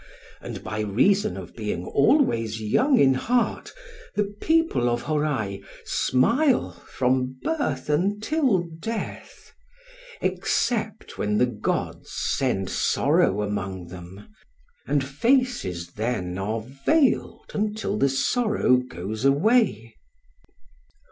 And, by reason of being always young in heart, the people of Hōrai smile from birth until death—except when the Gods send sorrow among them; and faces then are veiled until the sorrow goes away.